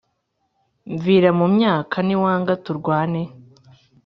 mvira mu myaka niwanga turwane”.